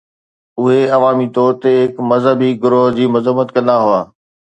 اهي عوامي طور تي هڪ مذهبي گروهه جي مذمت ڪندا هئا.